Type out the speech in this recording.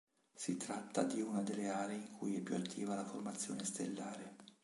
Si tratta di una delle aree in cui è più attiva la formazione stellare.